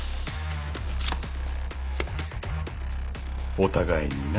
お互いにな。